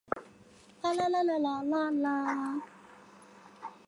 孟昭娟出生于内蒙古通辽市。